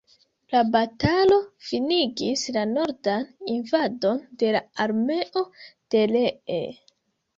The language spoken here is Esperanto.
La batalo finigis la nordan invadon de la armeo de Lee.